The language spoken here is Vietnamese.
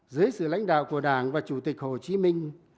dưới sự lãnh đạo của đảng và chủ tịch hồ chí minh